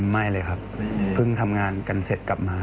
ไม่เลยครับเพิ่งทำงานกันเสร็จกลับมา